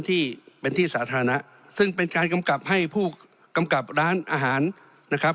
ที่เป็นที่สาธารณะซึ่งเป็นการกำกับให้ผู้กำกับร้านอาหารนะครับ